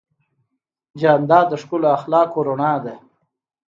جانداد د ښکلو اخلاقو رڼا ده.